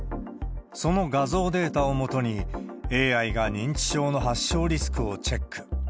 その画像データをもとに、ＡＩが認知症の発症リスクをチェック。